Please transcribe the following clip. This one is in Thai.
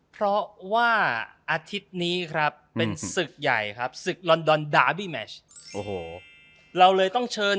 เพราะว่าอาทิตย์นี้ครับเป็นศึกใหญ่ครับศึกลอนดอนดาร์บีแมช